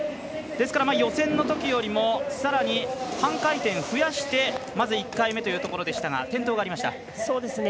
予選のときよりさらに半回転、増やしてまず１回目というところでしたが転倒がありました。